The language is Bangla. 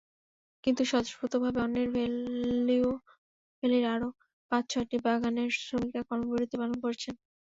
কিন্তু স্বতঃস্ফূর্তভাবে অন্য ভ্যালির আরও পাঁচ-ছয়টি বাগানের শ্রমিকেরা কর্মবিরতি পালন করেছেন।